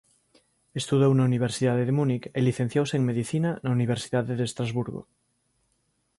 Estudou na Universidade de Múnic e licenciouse en Medicina na Universidade de Estrasburgo.